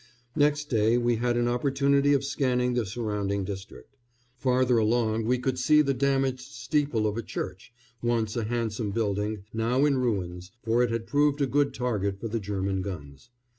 Next day we had an opportunity of scanning the surrounding district. Farther along we could see the damaged steeple of a church, once a handsome building, now in ruins, for it had proved a good target for the German guns.